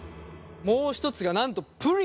もう一つがなんとプリン。